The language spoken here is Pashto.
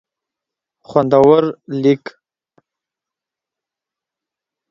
خوندور لیک